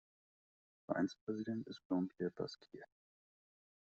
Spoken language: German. Vereinspräsident ist Jean-Pierre Pasquier.